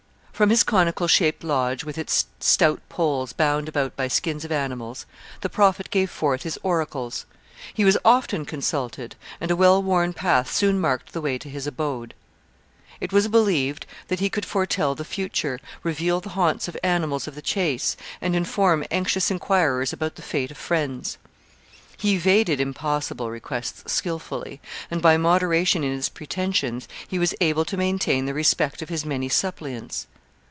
From his conical shaped lodge, with its stout poles bound about by skins of animals, the Prophet gave forth his oracles. He was often consulted, and a well worn path soon marked the way to his abode. It was believed that he could foretell the future, reveal the haunts of animals of the chase, and inform anxious inquirers about the fate of friends. He evaded impossible requests skilfully, and by moderation in his pretensions he was able to maintain the respect of his many suppliants.